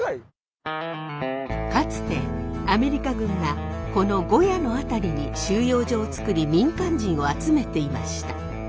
かつてアメリカ軍がこの胡屋の辺りに収容所をつくり民間人を集めていました。